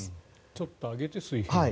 ちょっと上げて水平にする。